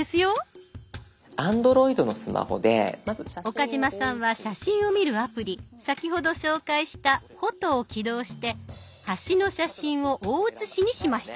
岡嶋さんは写真を見るアプリ先ほど紹介した「フォト」を起動して橋の写真を大写しにしました。